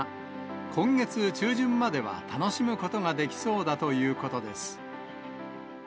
今月中旬までは楽しむことができそうだということです。